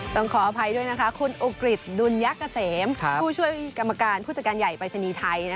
ต้องขออภัยด้วยนะคะคุณอุกฤษดุลยักษมผู้ช่วยกรรมการผู้จัดการใหญ่ปรายศนีย์ไทย